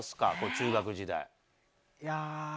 中学時代。